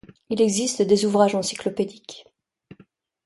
Il existe des ouvrages encyclopédiques.